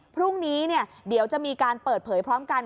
พรุ่งนี้เดี๋ยวจะมีการเปิดเผยพร้อมกัน